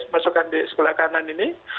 masukkan di sebelah kanan ini